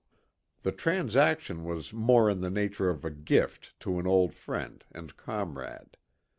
The transaction was more in the nature of a gift to an old friend and comrade.